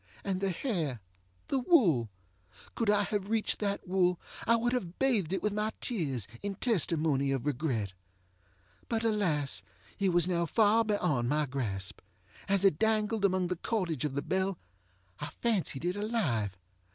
And the hairŌĆöthe wool! Could I have reached that wool I would have bathed it with my tears, in testimony of regret. But alas! it was now far beyond my grasp. As it dangled among the cordage of the bell, I fancied it alive.